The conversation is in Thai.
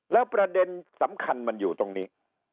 แล้วประเด็นสำคัญมันอยู่ตรงนี้